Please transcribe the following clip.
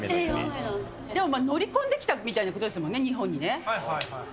でも乗り込んできたみたいなことですもんね、日本にね。